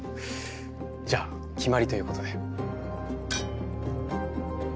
じゃあ決まりということで。